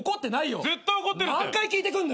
何回聞いてくんだよ！